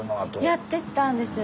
やってたんです。